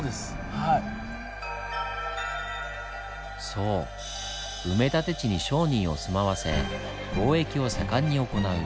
そう埋め立て地に商人を住まわせ貿易を盛んに行う。